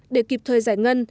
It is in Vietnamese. để kịp thời giải ngân